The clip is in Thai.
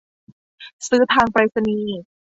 ซื้อทางไปรษณีย์